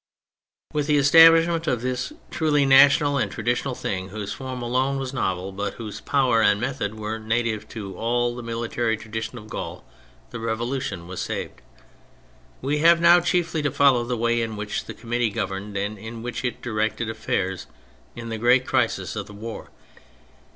126 THE FRENCH REVOLUTION With the establishment of this truly national and traditional thing, whose form alone was novel, but whose power and method were native to all the military tradition of Gaul, the Revolution was saved. We have now chiefly to follow the way in which the Committee governed and in which it directed affairs in the great crisis of the war.